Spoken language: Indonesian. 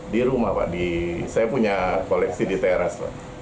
di rumah pak saya punya koleksi di teras pak